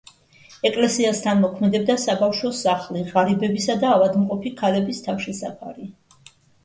ეკლესიასთან მოქმედებდა საბავშვო სახლი, ღარიბებისა და ავადმყოფი ქალების თავშესაფარი.